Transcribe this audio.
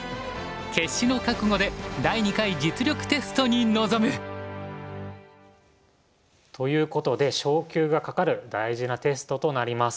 決死の覚悟で第２回実力テストに臨む！ということで昇級がかかる大事なテストとなります。